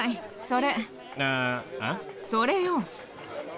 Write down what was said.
それよ。